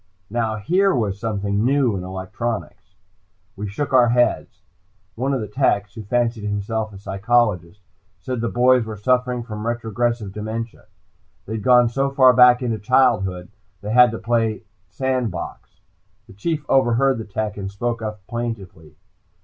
Now here was something new in electronics! We shook our heads. One of the techs, who fancied himself a psychologist, said the boys were suffering from retrogressive dementia. They had gone so far back into childhood, they had to play sand box. The Chief overheard the tech, and spoke up plaintively.